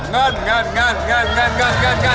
เงิน